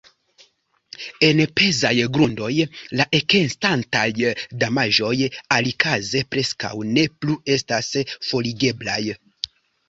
En pezaj grundoj la ekestantaj damaĝoj alikaze preskaŭ ne plu estas forigeblaj.